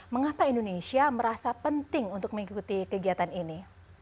mengapa indonesia merasa penting untuk mengikuti kegiatan ini